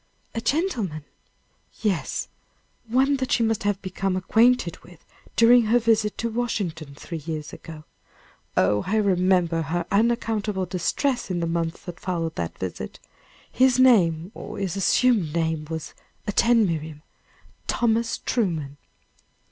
"A gentleman?" "Yes; one that she must have become acquainted with during her visit to Washington three years ago. Oh, I remember her unaccountable distress in the months that followed that visit! His name, or his assumed name, was attend, Miriam! Thomas Truman."